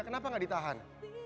kenapa gak ditahan